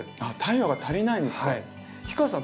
あっ太陽が足りないんですか。